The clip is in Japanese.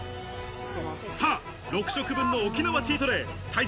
さあ、６食分の沖縄チートデイ。